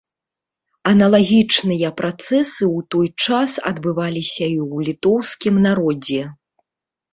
Аналагічныя працэсы ў той час адбываліся і ў літоўскім народзе.